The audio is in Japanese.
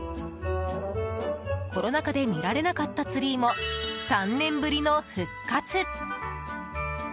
コロナ禍で見られなかったツリーも３年ぶりの復活！